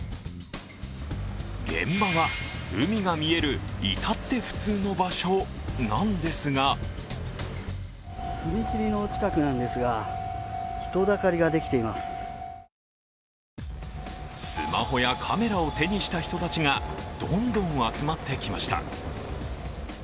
現場は、海が見える至って普通の場所なんですがスマホやカメラを手にした人たちがどんどん集まってきました。